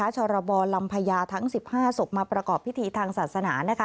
ชรบลำพญาทั้ง๑๕ศพมาประกอบพิธีทางศาสนา